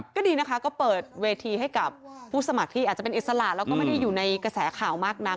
ก็ดีนะคะก็เปิดเวทีให้กับผู้สมัครที่อาจจะเป็นอิสระแล้วก็ไม่ได้อยู่ในกระแสข่าวมากนัก